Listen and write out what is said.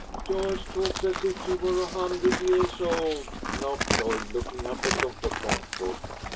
"Joyce talks as if she were a hundred yeahs old," laughed Lloyd, looking up at Doctor Bradford.